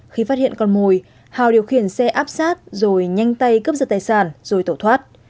khi phát hiện con mồi hào điều khiển xe áp sát rồi nhanh tay cướp giật tài sản rồi tẩu thoát